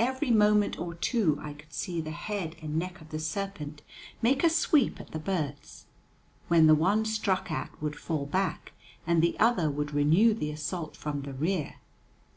Every moment or two I could see the head and neck of the serpent make a sweep at the birds, when the one struck at would fall back, and the other would renew the assault from the rear.